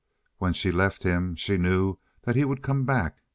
When she left him she knew that he would come back.